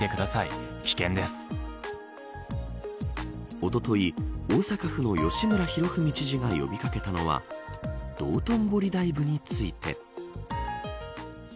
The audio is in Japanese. おととい、大阪府の吉村洋文知事が呼び掛けたのは道頓堀ダイブについて。